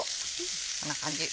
こんな感じ。